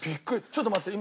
ちょっと待って。